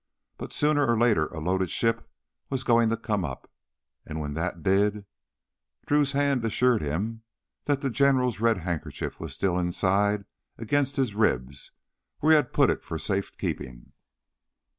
But sooner or later a loaded ship was going to come up. And when that did Drew's hand assured him that the General's red handkerchief was still inside against his ribs where he had put it for safekeeping.